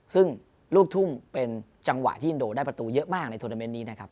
ซึ่งลูกทุ่งเป็นจังหวะที่อินโดได้ประตูเยอะมากในโทรเมนต์นี้นะครับ